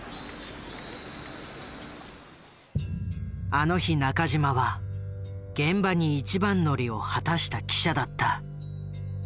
あの日中島は現場に一番乗りを果たした記者だった。